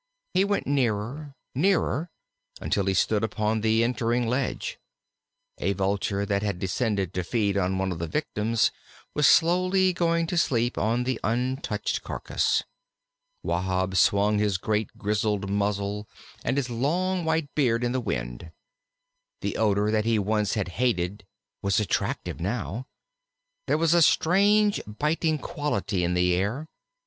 He went nearer, nearer, until he stood upon the entering ledge. A Vulture that had descended to feed on one of the victims was slowly going to sleep on the untouched carcass. Wahb swung his great grizzled muzzle and his long white beard in the wind. The odor that he once had hated was attractive now. There was a strange biting quality in the air.